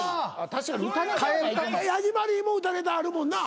ヤジマリー。も歌ネタあるもんな？